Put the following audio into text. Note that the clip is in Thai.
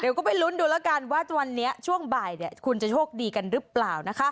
เดี๋ยวก็ไปลุ้นดูแล้วกันว่าวันนี้ช่วงบ่ายคุณจะโชคดีกันหรือเปล่านะคะ